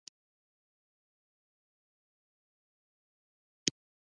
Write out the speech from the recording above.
اتل خط ليکي. اتل به خط وليکي.